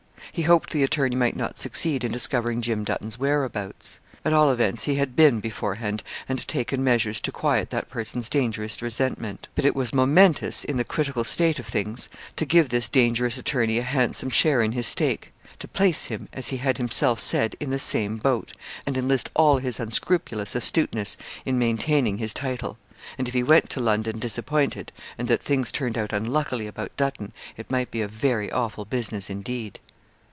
He hoped the attorney might not succeed in discovering Jim Dutton's whereabouts. At all events, he had been beforehand, and taken measures to quiet that person's dangerous resentment. But it was momentous in the critical state of things to give this dangerous attorney a handsome share in his stake to place him, as he had himself said, 'in the same boat,' and enlist all his unscrupulous astuteness in maintaining his title: and if he went to London disappointed, and that things turned out unluckily about Dutton, it might be a very awful business indeed.